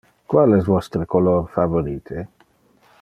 Qual es vostre color favorite?